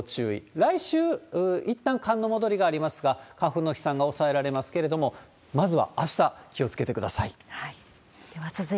来週、いったん寒の戻りがありますが、花粉の飛散が抑えられますけれども、まずはあした、気をつけてください。